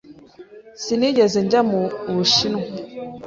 Sinigeze njya mu Bushinwa.